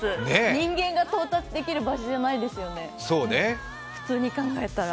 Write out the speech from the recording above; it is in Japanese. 人間が到達できる場所じゃないですよね、普通に考えたら。